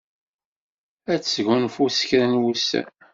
Ad tesgunfu kra n wussan.